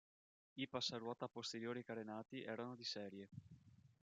I passaruota posteriori carenati erano di serie.